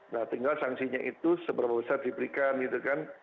nah tinggal sanksinya itu seberapa besar diberikan gitu kan